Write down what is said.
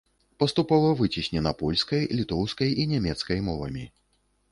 Паступова выцеснена польскай, літоўскай і нямецкай мовамі.